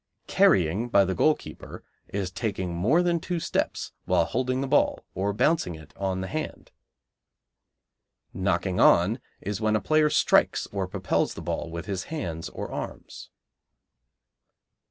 Carrying by the goalkeeper is taking more than two steps while holding the ball or bouncing it on the hand. Knocking on is when a player strikes or propels the ball with his hands or arms.